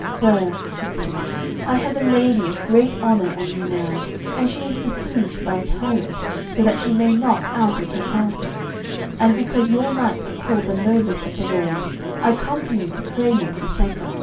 "Sir," she said, "I have a lady of great honour and renown, and she is besieged by a tyrant so that she may not out of her castle. And because your knights are called the noblest of the world, I come to you to pray you for succour."